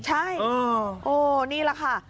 ใช่โอ้นี่แหละค่ะ